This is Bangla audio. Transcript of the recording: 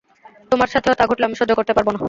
তোমার সাথেও তা ঘটলে আমি সহ্য করতে পারব না।